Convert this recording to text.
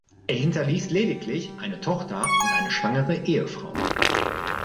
Er hinterließ lediglich eine Tochter und eine schwangere Ehefrau.